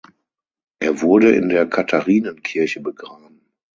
Er wurde in der Katharinenkirche begraben.